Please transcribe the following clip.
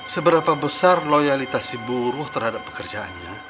seberapa besar loyalitas si buruh terhadap pekerjaannya